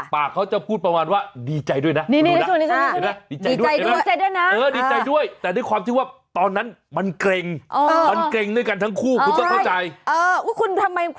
ปากเขาจะพูดประมาณว่าดีใจด้วยนะ